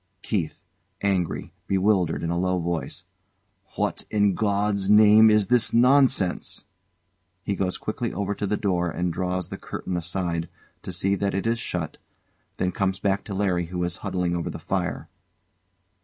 ] KEITH. [Angry, bewildered in a low voice] What in God's name is this nonsense? [He goes quickly over to the door and draws the curtain aside, to see that it is shut, then comes back to LARRY, who is huddling over the fire.